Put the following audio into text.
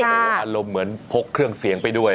โอ้โหอารมณ์เหมือนพกเครื่องเสียงไปด้วย